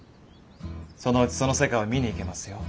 そのうちその世界を見に行けますよ。